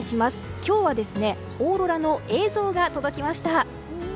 今日はオーロラの映像が届きました。